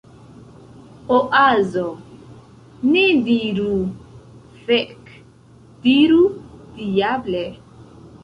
Oazo: "Ne diru "Fek!". Diru "Diable!""